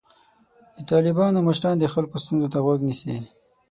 د طالبانو مشران د خلکو ستونزو ته غوږ نیسي.